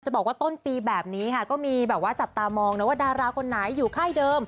บอกว่าต้นปีแบบนี้ค่ะก็มีแบบว่าจับตามองนะว่าดาราคนไหนอยู่ค่ายเดิม